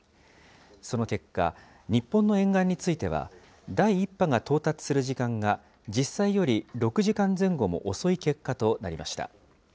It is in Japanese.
その結果、日本の沿岸については、第１波が到達する時間が、実際より６時間前後も遅い結果となりました。